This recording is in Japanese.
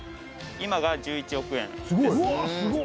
今が１１億円です